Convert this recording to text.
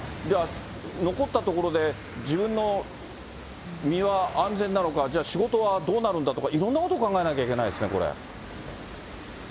じゃあ残ったところで、自分の身は安全なのか、じゃあ、仕事はどうなるんだとか、いろんなことを考えなきゃいけないですね、これ。